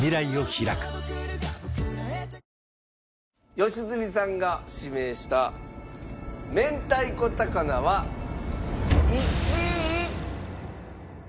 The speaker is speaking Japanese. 良純さんが指名した明太子高菜は１位。